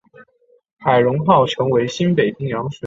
海容号成为新北洋水师主力舰之一。